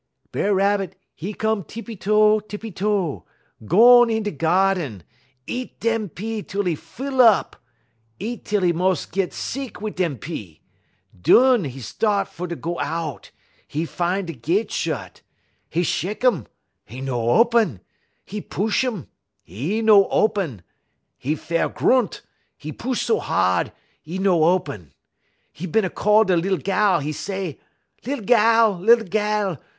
B'er Rabbit, 'e come tippy toe, tippy toe; gone in da geerden; eat dem pea tel 'e full up; eat tel he mos' git seeck wit' dem pea. Dun 'e start fer go out; 'e fine da gett shed. 'E shek um, 'e no open; 'e push um, 'e no open; 'e fair grunt, 'e push so hard, 'e no open. 'E bin a call da lil gal; e' say: "'Lil gal, lil gal!